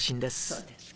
そうですか。